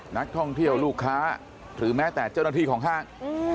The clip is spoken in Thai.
นักท่องเที่ยวลูกค้าหรือแม้แต่เจ้าหน้าที่ของห้าง